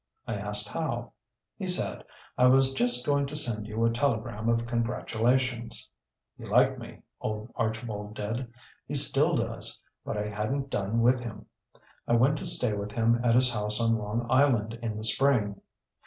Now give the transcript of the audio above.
I asked how. He said, 'I was just going to send you a telegram of congratulations.' He liked me, old Archibald did. He still does. But I hadn't done with him. I went to stay with him at his house on Long Island in the spring.